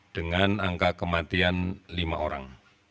dengan angka kematian lima orang